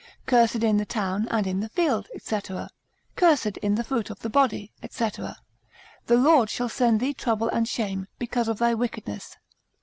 Cursed in the town and in the field, &c. Cursed in the fruit of the body, &c. The Lord shall send thee trouble and shame, because of thy wickedness.